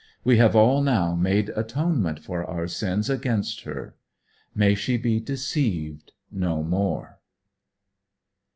We have all now made atonement for our sins against her: may she be deceived no more.